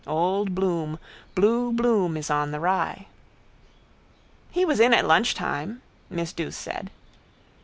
Old Bloom. Blue bloom is on the rye. —He was in at lunchtime, miss Douce said.